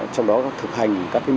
trong đó thực hành các mô hình